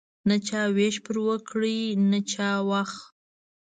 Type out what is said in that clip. نه چا ویش پر وکړ نه چا واخ.